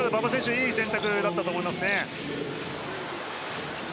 いい選択だったと思いますね。